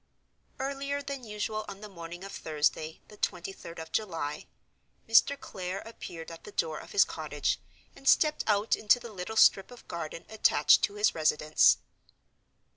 Earlier than usual on the morning of Thursday, the twenty third of July, Mr. Clare appeared at the door of his cottage, and stepped out into the little strip of garden attached to his residence.